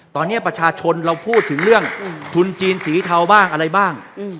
ตอนนี้ประชาชนเราพูดถึงเรื่องทุนจีนสีเทาบ้างอะไรบ้าง